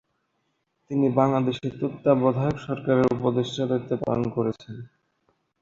তিনি বাংলাদেশে তত্ত্বাবধায়ক সরকারের উপদেষ্টার দায়িত্ব পালন করেছেন।